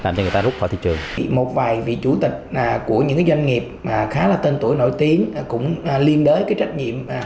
một vài vị chủ tịch của những doanh nghiệp khá là tên tuổi nổi tiếng cũng liên đối cái trách nhiệm